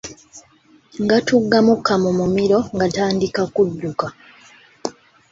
Ng’atugga mukka mu mumiro ng’atandika kudduka.